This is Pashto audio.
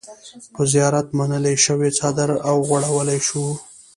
په زيارت منلے شوے څادر اوغوړولے شو۔